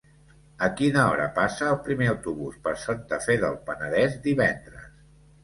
A quina hora passa el primer autobús per Santa Fe del Penedès divendres?